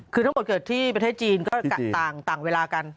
คือทั้งหมดเกิดที่ประเทศจีนก็ต่างเวลากัน